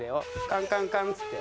カンカンカンっつって。